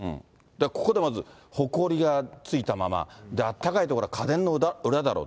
ここでまずほこりがついたまま、あったかい所、家電の裏だろう。